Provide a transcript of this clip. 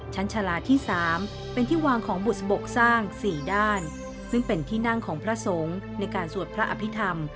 ชาลาที่๓เป็นที่วางของบุษบกสร้าง๔ด้านซึ่งเป็นที่นั่งของพระสงฆ์ในการสวดพระอภิษฐรรม